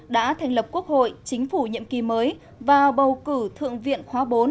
đã thành lập quốc hội chính phủ nhiệm kỳ mới và bầu cử thượng viện khóa bốn